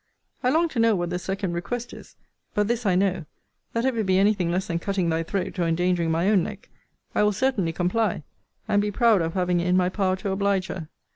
I long to know what the second request is: but this I know, that if it be any thing less than cutting thy throat, or endangering my own neck, I will certainly comply; and be proud of having it in my power to oblige her.